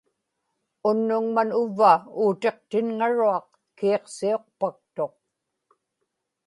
unnugman uvva uutiqtinŋaruaq kiiqsiuqpaktuq